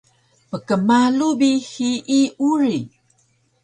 pkmalu bi hiyi uri